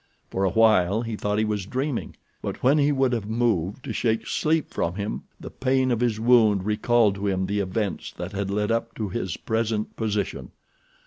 For a while he thought he was dreaming, but when he would have moved to shake sleep from him the pain of his wound recalled to him the events that had led up to his present position.